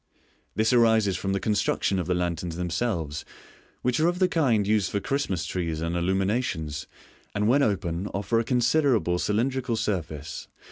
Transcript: This arises from the construction of the lanterns themselves, which are of the kind used for Christmas trees and illuminations, and when open offer a considerable cylindrical surface (see Fig.